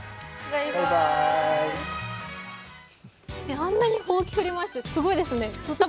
あんなにほうき振り回してすごいですね。